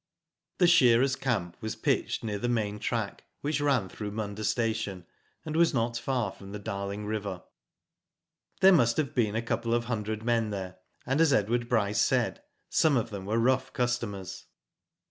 "The shearers' camp was pitched near the main track, which ran through Munda station, and was not far from the Darling river. There must have been a couple of hundred men there, and as Edward Bryce said, some of them were rough customers.